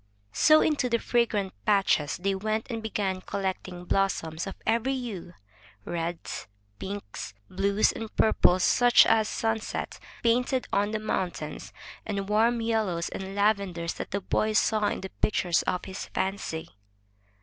So into the fragrant patches they went and began collecting blossoms of every hue — reds, pinks, blues, and purples such as sunset painted on the mountains, and warm yellows and lavenders that the boy saw in the pictures of his fancy.